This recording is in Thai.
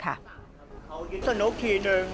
เค้ายุบสนุกทีหนึ่ง